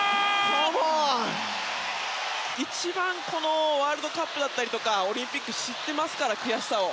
一番このワールドカップだったりとかオリンピック知ってますから悔しさを。